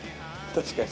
確かに。